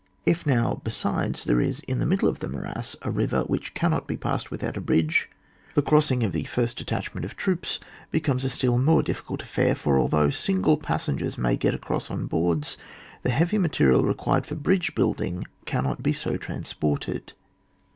If now, besides, there is in the middle of the morass a river which cannot be passed without a bridge, the crossing of the first detach ment of troops becomes a still more diffi cult affair, for although single passengers may get across on boards, the heavy material required for bridge building cannot be so transported.